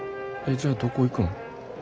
えっじゃあどこ行くん？